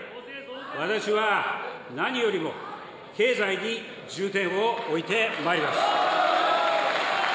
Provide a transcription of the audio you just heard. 私は、何より経済に重点を置いてまいります。